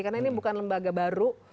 karena ini bukan lembaga baru